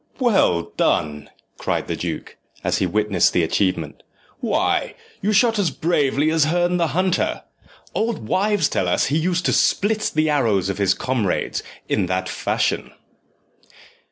"Well done!" cried the duke, as he witnessed the achievement; "why, you shoot as bravely as Herne the Hunter. Old wives tell us he used to split the arrows of his comrades in that fashion."